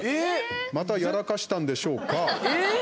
またやらかしたんでしょうか？